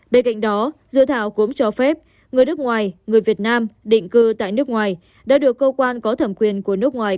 bên cạnh đó dự thảo cũng cho phép người nước ngoài người việt nam định cư tại nước ngoài đã được cơ quan có thẩm quyền của nước ngoài